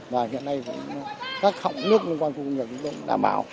và hiện nay các họng nước liên quan khu công nghiệp cũng đảm bảo